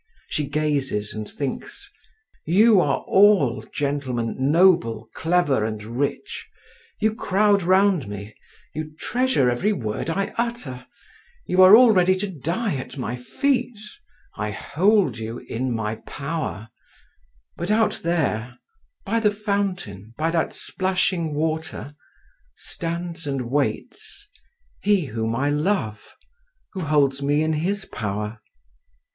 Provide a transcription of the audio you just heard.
She gazes and thinks: you are all, gentlemen, noble, clever, and rich, you crowd round me, you treasure every word I utter, you are all ready to die at my feet, I hold you in my power … but out there, by the fountain, by that splashing water, stands and waits he whom I love, who holds me in his power.